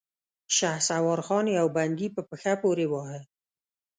شهسوار خان يو بندي په پښه پورې واهه.